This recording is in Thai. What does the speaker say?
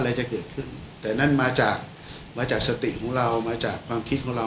อะไรจะเกิดขึ้นแต่นั่นมาจากมาจากสติของเรามาจากความคิดของเรา